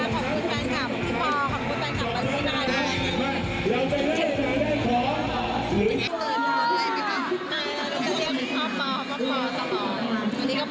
เพราะว่าวันนี้พี่ป่อว่าคงรู้จัก